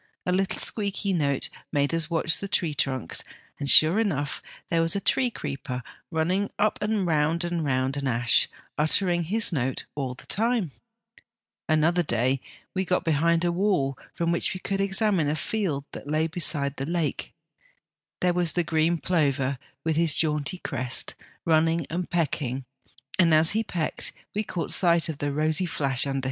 A little squeaky note made us watch the tree trunks, and, sure enough, there was a tree creeper running up and round and round an ash, uttering his note all the time. " Another day we got behind a wall from which OUT OF DOOR LIFE FOR THE CHILDREN 9! we could examine a field that lay beside the lake. There was the green plover with his jaunty crest, running and pecking, and, as he pecked, we caught sight of the rosy flash under his tail.